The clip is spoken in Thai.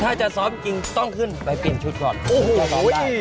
ถ้าจะซ้อมกินต้องขึ้นไปเปลี่ยนชุดก่อน